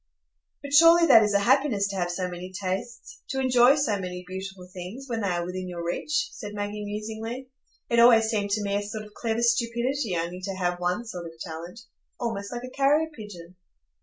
"But surely that is a happiness to have so many tastes,—to enjoy so many beautiful things, when they are within your reach," said Maggie, musingly. "It always seemed to me a sort of clever stupidity only to have one sort of talent,—almost like a carrier pigeon."